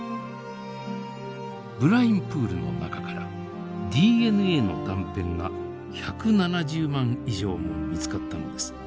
ブラインプールの中からＤＮＡの断片が１７０万以上も見つかったのです。